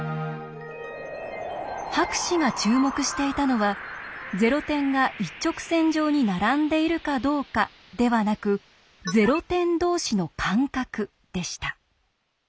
博士が注目していたのは「ゼロ点が一直線上に並んでいるかどうか」ではなく「ゼロ点同士の間隔」でした。